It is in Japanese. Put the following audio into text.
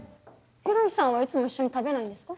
洋さんはいつも一緒に食べないんですか？